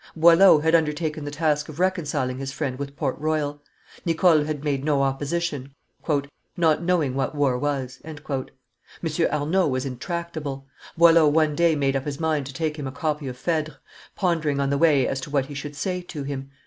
Boileau had undertaken the task of reconciling his friend with Port Royal. Nicole had made no opposition, "not knowing what war was." M. Arnauld was intractable. Boileau one day made up his mind to take him a copy of Phedre, pondering on the way as to what he should say to him.